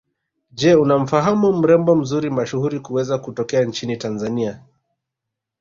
Je unamfahamu mrembo mashuhuri kuweza kutokea nchini Tanzania